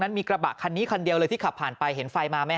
มีกระบะคันนี้คันเดียวเลยที่ขับผ่านไปเห็นไฟมาไหมฮ